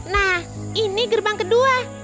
nah ini gerbang kedua